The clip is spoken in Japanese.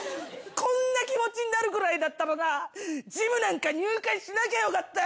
こんな気持ちになるくらいだったらなジムなんか入会しなきゃよかったよ！